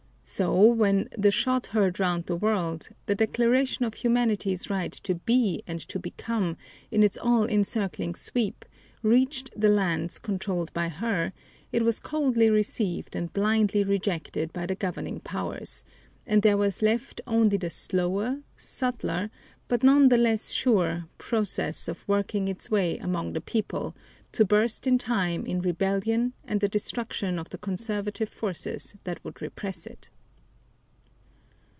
So, when "the shot heard round the world," the declaration of humanity's right to be and to become, in its all encircling sweep, reached the lands controlled by her it was coldly received and blindly rejected by the governing powers, and there was left only the slower, subtler, but none the less sure, process of working its way among the people to burst in time in rebellion and the destruction of the conservative forces that would repress it.